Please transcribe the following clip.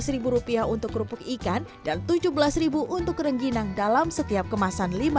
ribu rupiah untuk kerupuk ikan dan tujuh belas untuk rengginang dalam setiap kemasan lima ratus